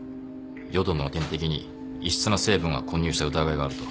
淀野の点滴に異質な成分が混入した疑いがあると。